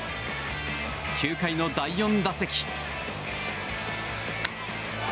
９回の第４打席。